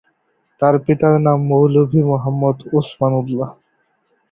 তার পিতার নাম মৌলভী মোহাম্মদ ওসমান উল্লাহ।